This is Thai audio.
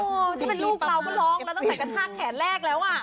ที่เป็นลูกเราก็ร้องแล้วตั้งแต่กระชากแขนแรกแล้วอ่ะ